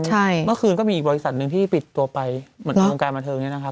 เมื่อคืนก็มีอีกบริษัทหนึ่งที่ปิดตัวไปเหมือนในวงการบันเทิงนี้นะครับ